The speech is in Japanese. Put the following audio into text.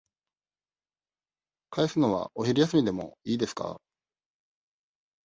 返すのは、お昼休みでもいいですか。